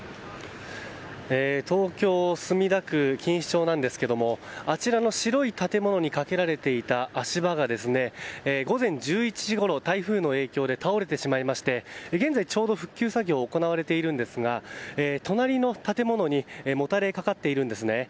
東京・墨田区錦糸町ですがあちらの白い建物にかけられていた足場が午前１１時ごろ台風の影響で倒れてしまいまして現在、ちょうど復旧作業が行われていますが隣の建物にもたれかかっているんですね。